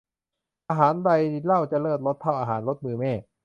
อาหารใดเล่าจะเลิศรสเท่าอาหารรสมือแม่